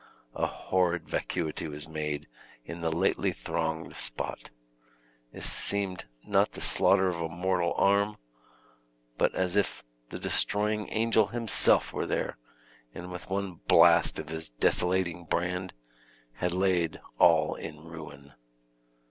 A horrid vacuity was made in the lately thronged spot; it seemed not the slaughter of a mortal arm, but as if the destroying angel himself were there, and with one blast of his desolating brand, had laid all in ruin.